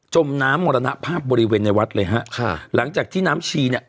มน้ำมรณภาพบริเวณในวัดเลยฮะค่ะหลังจากที่น้ำชีเนี่ย